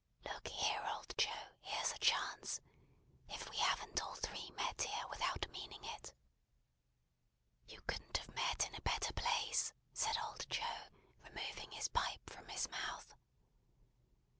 Look here, old Joe, here's a chance! If we haven't all three met here without meaning it!" "You couldn't have met in a better place," said old Joe, removing his pipe from his mouth.